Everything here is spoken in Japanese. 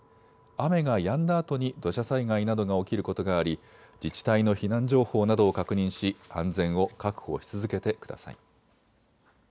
雨がやんだあとに土砂災害などが起きることがあり自治体の避難情報などを確認し安全を確保し続けてください。